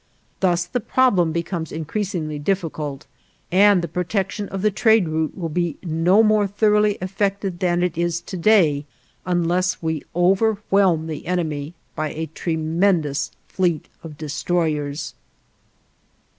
Thus the problem becomes increasingly difficult, and the protection of the trade route will be no more thoroughly effected than it is to day unless we overwhelm the enemy by a tremendous fleet of destroyers.